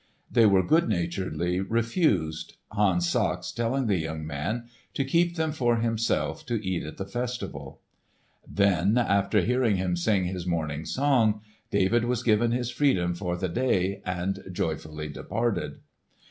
They were good naturedly refused, Hans Sachs telling the young man to keep them for himself to eat at the festival. Then after hearing him sing his morning song, David was given his freedom for the day and joyfully departed.